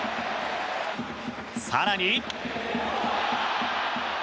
更に。